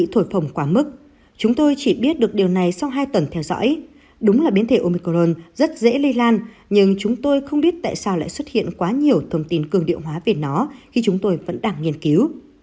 thổi phòng quá mức chúng tôi chỉ biết được điều này sau hai tuần theo dõi đúng là biến thể omicron rất dễ lây lan nhưng chúng tôi không biết tại sao lại xuất hiện quá nhiều thông tin cường địa hóa về nó khi chúng tôi vẫn đang nghiên cứu